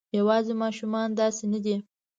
یواځې ماشومان داسې نه دي.